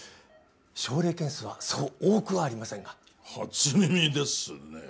症例件数はそう多くはありませんが初耳ですね